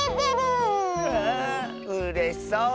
うれしそう！